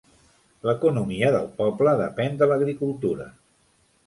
L'economia del poble depèn de l'agricultura.